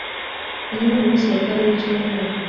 Ejo numunsi wa kane wicyumweru